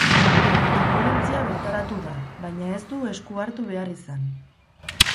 Anbulantzia bertaratu da, baina ez du esku hartu behar izan.